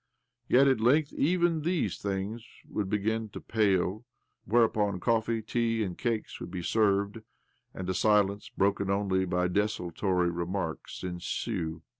Yet at length even these things would begin to pall ; whereupon coffee, tea, and cakes would be served, and a silence, broken only by desultory remarks, ensue.